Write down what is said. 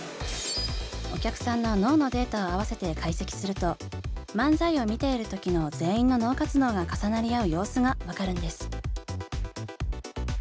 お客さんの脳のデータを合わせて解析すると漫才を見ている時の全員の脳活動が重なり合う様子が分かるんです。